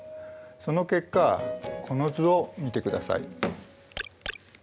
その結果この図を見てください。